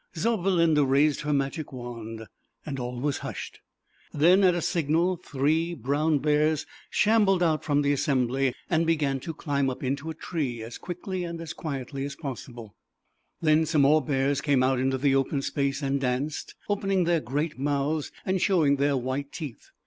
Zauber m\i is s ^ i her Magic Wand all was tushedll |Then at a signal three brown ears shambled out from the assembly ll'li' ^^^ft^T" ZAUBERLINDA, THE WISE WITCH. 231 and began to climb up into a tree as quickly and as quietly as possible. Then some more bears came out into the open space and danced, opening their great mouths and showing their white teeth.